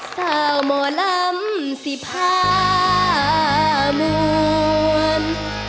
สาวหมอล้ำสีผ้ามวม